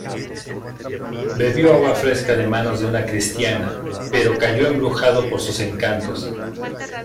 Bebió agua fresca de manos de una Cristiana, pero cayó embrujado por sus encantos.